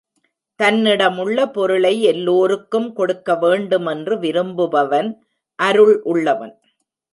தன்னிடமுள்ள பொருளை எல்லோருக்கும் கொடுக்க வேண்டுமென்று விரும்புபவன் அருள் உள்ளவன்.